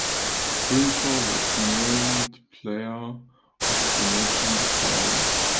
Windsor was named Player of the Match in the final.